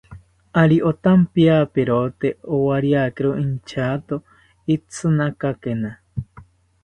Ari otampiaperote owariakiro intyato itzinakakena